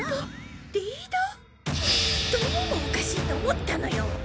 どうもおかしいと思ったのよ。